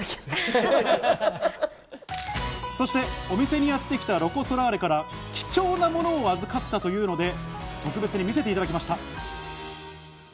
お店にやってきたロコ・ソラーレから貴重なものを預かったというので、特別に見せていただきました。